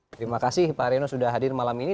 terima kasih pak haryono sudah hadir malam ini